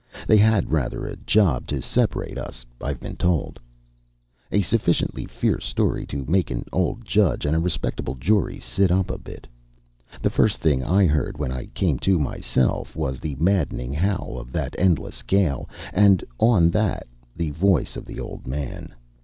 They had rather a job to separate us, I've been told. A sufficiently fierce story to make an old judge and a respectable jury sit up a bit. The first thing I heard when I came to myself was the maddening howling of that endless gale, and on that the voice of the old man.